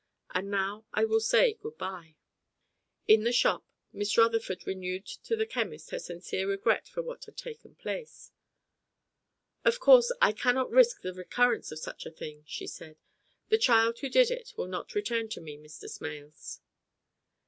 And now I will say good bye." In the shop Miss Rutherford renewed to the chemist her sincere regret for what had taken place. "Of course I cannot risk the recurrence of such a thing," she said. "The child who did it will not return to me, Mr. Smales."